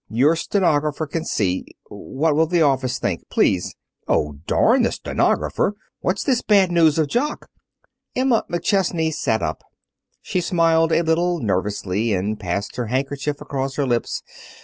"Your stenographer can see What will the office think? Please " "Oh, darn the stenographer! What's this bad news of Jock?" Emma McChesney sat up. She smiled a little nervously and passed her handkerchief across her lips.